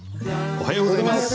おはようございます。